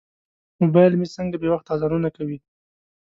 موبایل مې څنګه بې وخته اذانونه کوي.